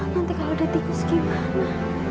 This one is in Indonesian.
nanti kalau udah tikus gimana